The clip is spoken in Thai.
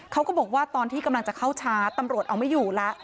เขาก็บอกว่าตอนที่กำลังจะเข้าชาร์จตำรวจเอาไม่อยู่แล้ว